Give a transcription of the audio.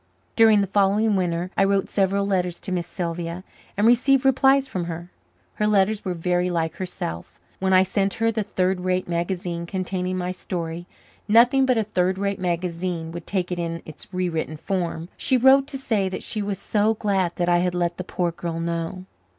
During the following winter I wrote several letters to Miss Sylvia and received replies from her. Her letters were very like herself. When I sent her the third rate magazine containing my story nothing but a third rate magazine would take it in its rewritten form she wrote to say that she was so glad that I had let the poor girl know.